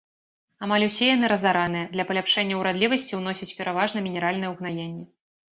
Амаль усе яны разараныя, для паляпшэння ўрадлівасці ўносяць пераважна мінеральныя ўгнаенні.